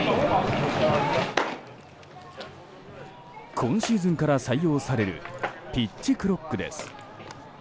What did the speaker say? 今シーズンから採用されるピッチクロックです。